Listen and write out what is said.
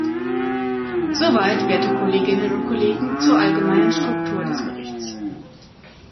Soweit, werte Kolleginnen und Kollegen, zur allgemeinen Struktur des Berichts.